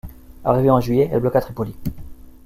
Arrivée en juillet, elle bloqua Tripoli.